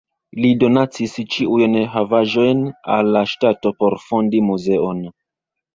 Li donacis ĉiujn havaĵojn al la ŝtato, por fondi muzeon.